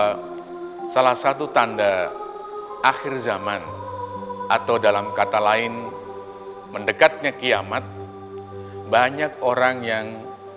karena salah satu tanda akhir zaman atau dalam kata lain mendekatnya kiamat banyak orang yang